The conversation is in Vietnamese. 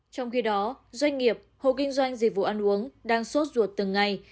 trong khi đó doanh nghiệp hộ kinh doanh dịch vụ ăn uống đang sốt ruột từng ngày